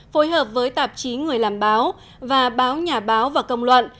phối hợp với tạp chí người làm báo và báo nhà báo và công luận